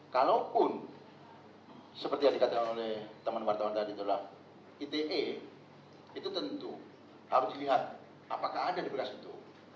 kalaupun seperti yang dikatakan oleh teman teman wartawan tadi itu adalah ite itu tentu harus dilihat apakah ada di beras itu